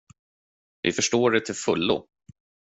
Vi förstår er till fullo.